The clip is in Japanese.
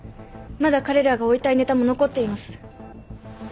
まだ彼らが追いたいネタも残っています。